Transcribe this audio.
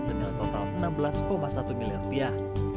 senilai total enam belas satu miliar rupiah